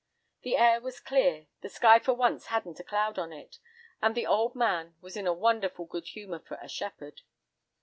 The air was clear, the sky for once hadn't a cloud on it, and the old man was in a wonderful good humour for a shepherd.